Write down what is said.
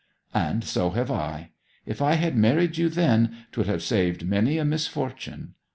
'And so have I! If I had married you then 'twould have saved many a misfortune.